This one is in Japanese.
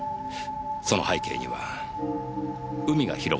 その背景には海が広がっていました。